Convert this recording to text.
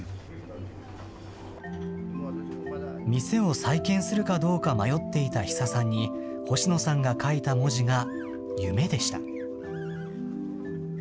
店を再建するかどうか迷っていた比佐さんに、星野さんが書いた文字が、夢でした。